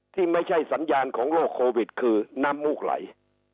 ที่ไม่ใช่สัญญาณของโรคโควิดคือน้ำมูกไหล